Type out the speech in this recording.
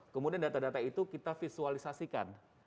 kemudian data data itu kita visualisasikan